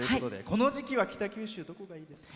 この時期は北九州、どこがいいですか？